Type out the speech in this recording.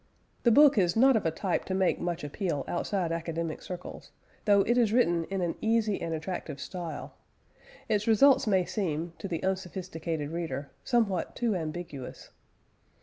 The book is not of a type to make much appeal outside academic circles, though it is written in an easy and attractive style: its results may seem, to the unsophisticated reader, somewhat too ambiguous.